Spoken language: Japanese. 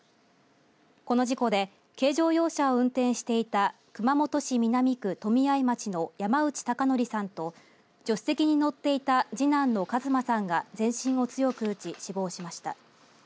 この事故で軽乗用車を運転していた熊本市南区富合町の山内高徳さんと助手席に乗っていた次男の和磨さんが全身を強く打ち死亡しました。